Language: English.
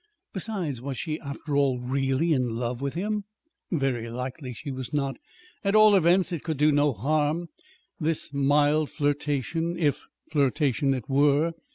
Besides, was she, after all, really in love with him? Very likely she was not. At all events, it could do no harm this mild flirtation if flirtation it were!